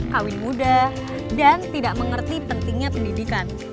kawin muda dan tidak mengerti pentingnya pendidikan